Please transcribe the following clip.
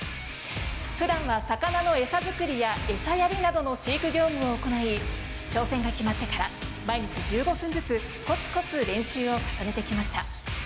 ふだんは魚のえさ作りや餌やりなどの飼育業務を行い、挑戦が決まってから、毎日１５分ずつこつこつ練習を重ねてきました。